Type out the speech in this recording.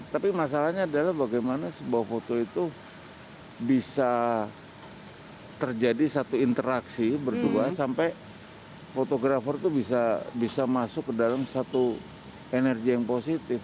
tapi masalahnya adalah bagaimana sebuah foto itu bisa terjadi satu interaksi berdua sampai fotografer itu bisa masuk ke dalam satu energi yang positif